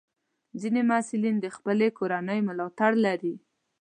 ځینې محصلین د خپلې کورنۍ ملاتړ لري.